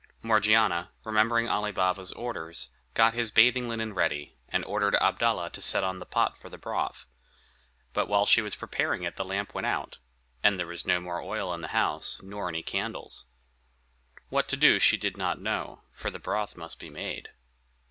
Morgiana, remembering Ali Baba's orders, got his bathing linen ready, and ordered Abdalla to set on the pot for the broth; but while she was preparing it the lamp went out, and there was no more oil in the house, nor any candles. What to do she did not know, for the broth must be made.